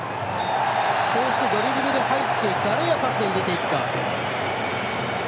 こうしてドリブルで入っていくあるいはパスを入れていくか。